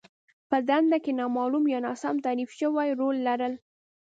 په دنده کې نامالوم يا ناسم تعريف شوی رول لرل.